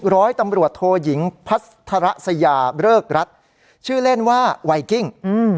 ร้อยตำรวจโทยิงพัทรสยาเริกรัฐชื่อเล่นว่าไวกิ้ง